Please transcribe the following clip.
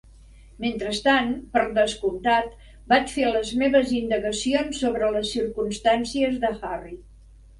Mentrestant, per descomptat, vaig fer les meves indagacions sobre les circumstàncies de Harry.